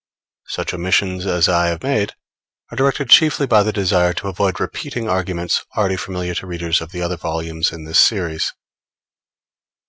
Such omissions as I have made are directed chiefly by the desire to avoid repeating arguments already familiar to readers of the other volumes in this series.